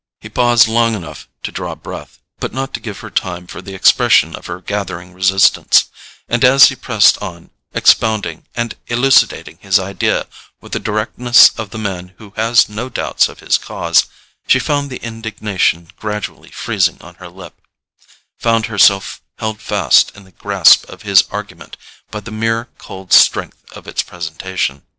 He paused long enough to draw breath, but not to give her time for the expression of her gathering resistance; and as he pressed on, expounding and elucidating his idea with the directness of the man who has no doubts of his cause, she found the indignation gradually freezing on her lip, found herself held fast in the grasp of his argument by the mere cold strength of its presentation.